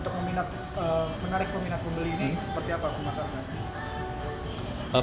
untuk menarik peminat pembeli ini seperti apa pemasarannya